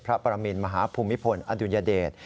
ประมินมหาภูมิพลอดุลยเดช